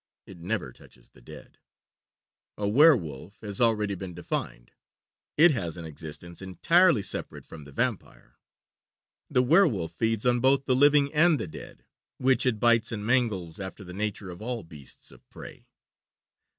It never touches the dead. A werwolf has already been defined. It has an existence entirely separate from the vampire. The werwolf feeds on both the living and dead, which it bites and mangles after the nature of all beasts of prey.